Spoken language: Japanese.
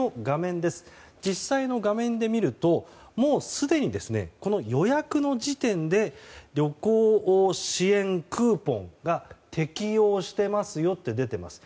実際の画面で見るともう、すでにこの予約の時点で旅行支援クーポンが適用していますよと出ています。